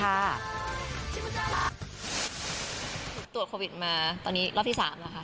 เราตรวจโควิดมาตอนนี้รอบที่๓นะคะ